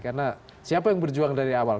karena siapa yang berjuang dari awal